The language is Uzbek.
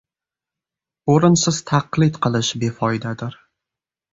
– o‘rinsiz taqlid qilish befoydadir.